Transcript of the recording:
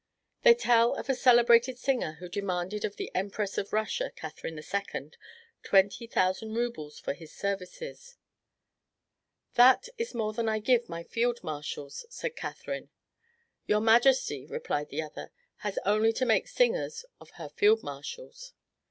They tell of a celebrated singer who demanded of the Empress of Russia (Catherine II) twenty thousand roubles for his services: "That is more than I give my field marshals," said Catherine. "Your majesty," replied the other, "has only to make singers of her field marshals."